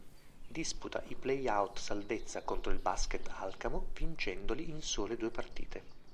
Disputa i play-out salvezza contro il basket Alcamo vincendoli in sole due partite.